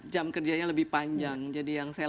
jam kerjanya lebih panjang jadi yang saya